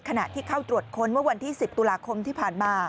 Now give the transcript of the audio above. ขณะที่เข้าตรวจค้นเมื่อวันที่๑๐ตุลาคมที่ผ่านมา